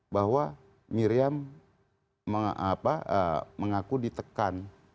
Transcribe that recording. bahwa miriam mengaku ditekan